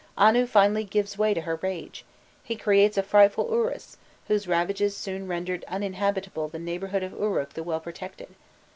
Anu finally gives way to her rage: he creates a frightful urus, whose ravages soon rendered uninhabitable the neighbourhood of Uruk the well protected.